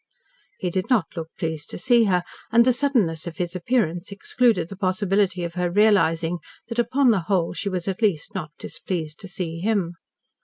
He did not look pleased to see her, and the suddenness of his appearance excluded the possibility of her realising that upon the whole she was at least not displeased to see him.